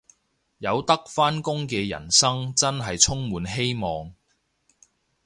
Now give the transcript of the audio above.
有得返工嘅人生真係充滿希望